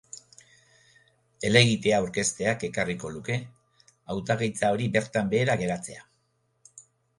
Helegitea aurkezteak ekarriko luke hautagaitza hori bertan behera geratzea.